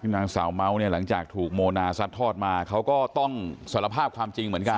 นางสาวเมาส์เนี่ยหลังจากถูกโมนาซัดทอดมาเขาก็ต้องสารภาพความจริงเหมือนกัน